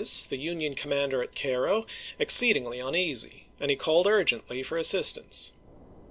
Prentiss, the Union commander at Cairo, exceedingly un easy, and he called urgently for assistance.